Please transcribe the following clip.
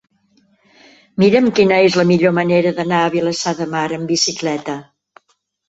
Mira'm quina és la millor manera d'anar a Vilassar de Mar amb bicicleta.